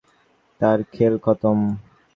তার খেল খতম।